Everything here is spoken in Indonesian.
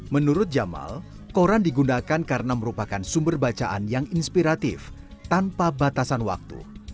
menurut jamal koran digunakan karena merupakan sumber bacaan yang inspiratif tanpa batasan waktu